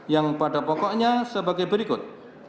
yang pada pokoknya sebagai berikut